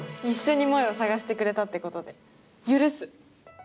一緒に萌を捜してくれたってことで許す！